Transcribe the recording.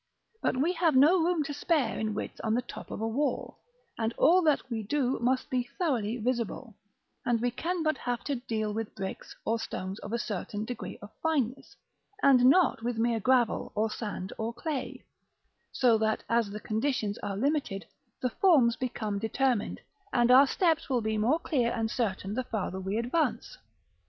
But we have no room to spare in width on the top of a wall, and all that we do must be thoroughly visible; and we can but have to deal with bricks, or stones of a certain degree of fineness, and not with mere gravel, or sand, or clay, so that as the conditions are limited, the forms become determined; and our steps will be more clear and certain the farther we advance.